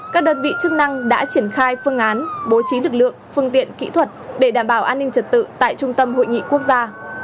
các đơn vị chức năng đã triển khai phương án bố trí lực lượng phương tiện kỹ thuật để đảm bảo an ninh trật tự tại trung tâm hội nghị quốc gia